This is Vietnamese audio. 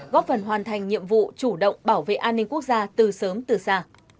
góp phần hoàn thành nhiệm vụ chủ động bảo vệ an ninh quốc gia từ sớm từ xa